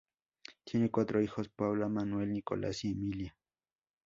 Tiene cuatro hijos, Paula, Manuel, Nicolás y Emilia.